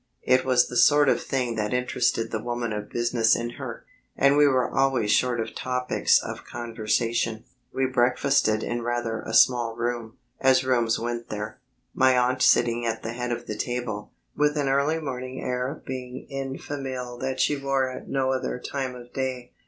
It was the sort of thing that interested the woman of business in her, and we were always short of topics of conversation. We breakfasted in rather a small room, as rooms went there; my aunt sitting at the head of the table, with an early morning air of being en famille that she wore at no other time of day.